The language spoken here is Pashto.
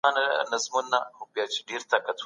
آیا ساینس توري لیدلی سی؟